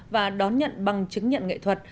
và đón nhận bằng chứng nhận nghệ thuật